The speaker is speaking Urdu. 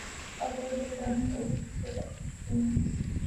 اوروہ جب چاہیں اسے پھاڑ سکتے ہیں۔